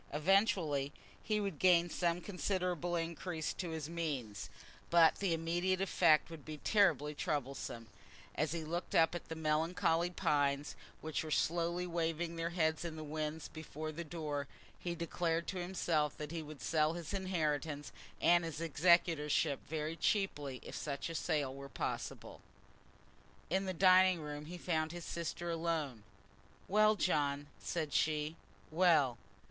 Eventually he would gain some considerable increase to his means, but the immediate effect would be terribly troublesome. As he looked up at the melancholy pines which were slowly waving their heads in the wind before the door he declared to himself that he would sell his inheritance and his executorship very cheaply, if such a sale were possible. In the dining room he found his sister alone. "Well, John," said she; "well?